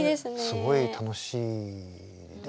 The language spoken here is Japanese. すごい楽しいんです。